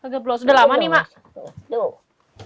geblos udah lama nih mak